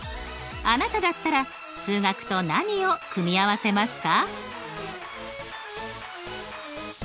あなただったら数学と何を組み合わせますか？